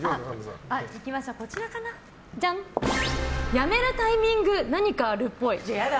辞めるタイミング何かあるっぽい。